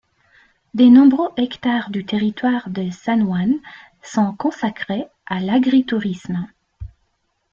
De nombreux hectares du territoire de Sanwan sont consacrés à l'agritourisme.